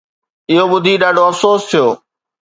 اهو ٻڌي ڏاڍو افسوس ٿيو